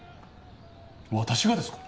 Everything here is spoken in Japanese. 私がですか？